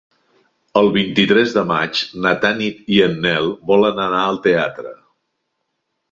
El vint-i-tres de maig na Tanit i en Nel volen anar al teatre.